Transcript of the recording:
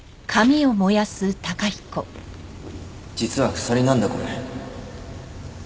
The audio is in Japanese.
実は鎖なんだこれ。